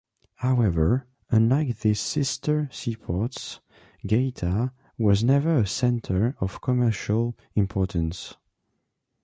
However, unlike these sister seaports, Gaeta was never a centre of commercial importance.